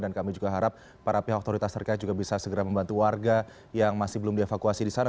dan kami juga harap para pihak otoritas terkait juga bisa segera membantu warga yang masih belum dievakuasi di sana